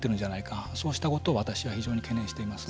そうしたことを私は非常に懸念しています。